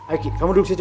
ayo ki kamu duduk situ